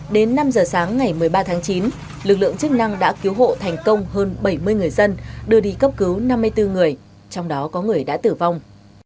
đến năm giờ sáng ngày một mươi ba tháng chín lực lượng chức năng đã cứu hộ thành công hơn bảy mươi người dân đưa đi cấp cứu năm mươi bốn người trong đó có người đã tử vong